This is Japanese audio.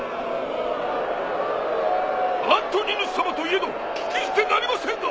アントニヌス様といえど聞き捨てなりませんな